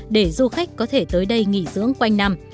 để du khách có thể tới đây nghỉ dưỡng quanh năm